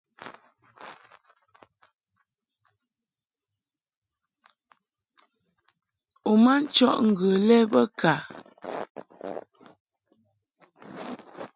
U ma nchɔʼ ŋgə lɛ bə ka ?